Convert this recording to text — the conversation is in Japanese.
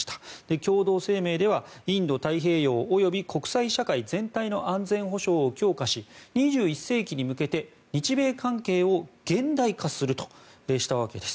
共同声明ではインド太平洋及び国際社会全体の安全保障を強化し２１世紀に向けて日米関係を現代化するとしたわけです。